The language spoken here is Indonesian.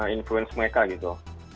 influence mereka gitu